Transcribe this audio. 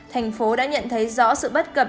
tp đã nhận thấy rõ sự bất cập